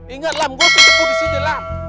ingat lam gua tetep disini lam